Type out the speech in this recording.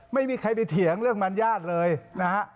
ไม่มีใครไปเถียงเรื่องบรรยาทเลยนะฮะ